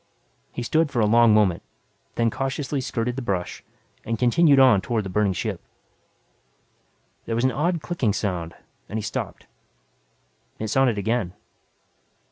He stood for a long moment, then cautiously skirted the brush, and continued on toward the burning ship. There was an odd clicking sound and he stopped. It sounded again.